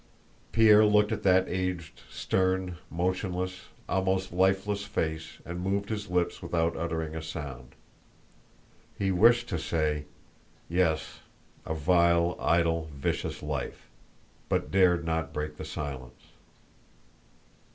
Pierre looked at that aged, stern, motionless, almost lifeless face and moved his lips without uttering a sound. He wished to say, "Yes, a vile, idle, vicious life!" but dared not break the silence.